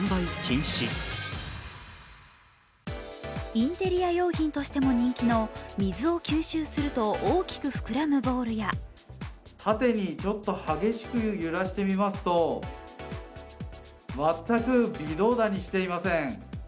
インテリア用品としても人気の水を吸収すると大きく膨らむボールや縦にちょっと激しく揺らしてみますと、全く微動だにしていません。